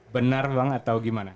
benar bang atau gimana